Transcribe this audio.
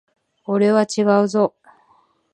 俺は違うぞ。